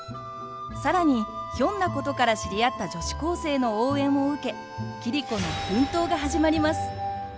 更にひょんなことから知り合った女子高生の応援を受け桐子の奮闘が始まります。